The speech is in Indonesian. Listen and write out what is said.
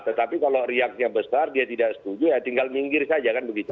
tetapi kalau riaknya besar dia tidak setuju ya tinggal nyinggir saja kan begitu